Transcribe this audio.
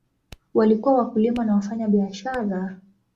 Walikuwa wakulima na wafanyabiashara.